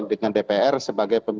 dengan dpr sebagai pemilu